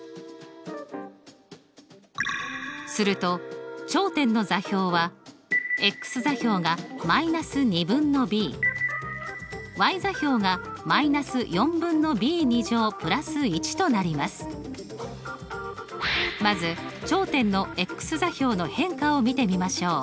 すると頂点の座標は座標が座標がまず頂点の座標の変化を見てみましょう。